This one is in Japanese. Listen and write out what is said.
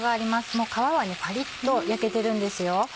もう皮はパリっと焼けてるんですよ。